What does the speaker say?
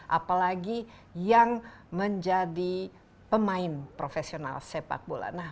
apalagi yang menjadi pemain profesional sepak bola